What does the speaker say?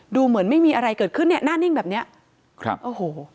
ดูเหมือนไม่มีอะไรเกิดขึ้นเนี่ยหน้านิ่งแบบเนี้ยครับโอ้โห